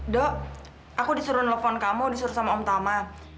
dok aku disuruh nelfon kamu disuruh sama om tama